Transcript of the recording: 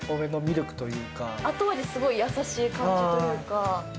後味、すごい優しい感じというか。